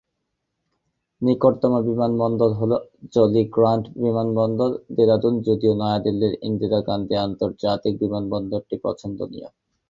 নিকটতম বিমানবন্দর হল জলি গ্রান্ট বিমানবন্দর, দেরাদুন, যদিও নয়াদিল্লির ইন্দিরা গান্ধী আন্তর্জাতিক বিমানবন্দরটি পছন্দনীয়।